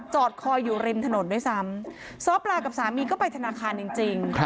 คอยอยู่ริมถนนด้วยซ้ำซ้อปลากับสามีก็ไปธนาคารจริงจริง